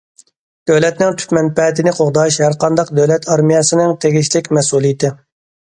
دۆلەتنىڭ تۈپ مەنپەئەتىنى قوغداش ھەرقانداق دۆلەت ئارمىيەسىنىڭ تېگىشلىك مەسئۇلىيىتى.